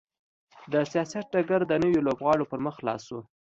د سیاست ډګر د نویو لوبغاړو پر مخ خلاص شو.